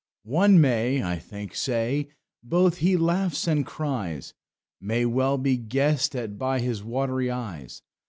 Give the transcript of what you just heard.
"One may (I think) say, both he laughs and cries, May well be guessed at by his watery eyes.